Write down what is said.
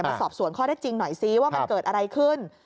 มาสอบสวนข้อได้จริงหน่อยซิว่ามันเกิดอะไรขึ้น